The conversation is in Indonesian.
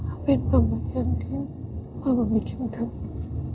apa yang mama ganti mama bikin tahu